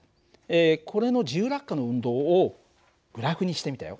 これの自由落下の運動をグラフにしてみたよ。